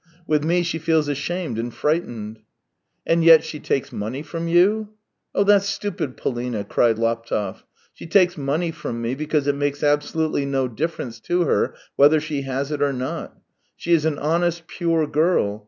With me she feels ashamed and frightened." " And yet she takes money from you ?" THREE YEARS 237 " That's stupid, Polina !" cried Laptev. " She takes money from me because it makes absolutely no difference to her whether she has it or not. She is an honest, pure girl.